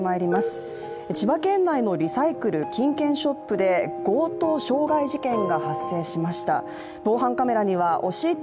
千葉県内のリサイクル・金券ショップで強盗傷害事件が発生しました。